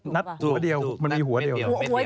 นัดหัวเดียวมันมีหัวเดียว